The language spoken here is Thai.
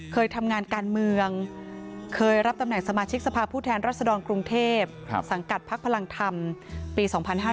เคยทำงานการเมืองเคยรับตำแหน่งสมาชิกสภาพผู้แทนรัศดรกรุงเทพสังกัดพักพลังธรรมปี๒๕๕๙